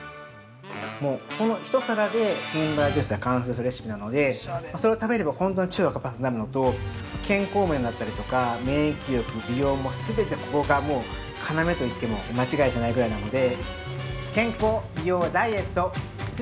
◆この一皿でシンバイオティクスが完成するレシピなのでそれを食べれば、ほんとに腸が活発になるのと、健康面だったりとか免疫力美容も、全てここが要といっても間違いじゃないぐらいなので。